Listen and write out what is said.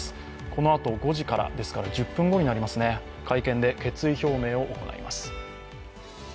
このあと５時から、ですから１０分後になりますね、会見で決意表明を行います。